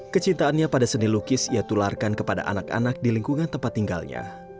kecintaannya pada seni lukis ia tularkan kepada anak anak di lingkungan tempat tinggalnya